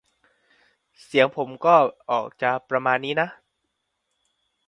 White people face less discrimination in the United Kingdom than ethnic minorities.